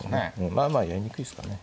まあまあやりにくいですかね。